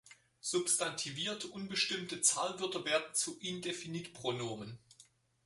Substantivierte unbestimmte Zahlwörter werden zu Indefinitpronomen.